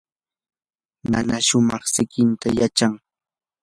nana shumaq siqitam yachan.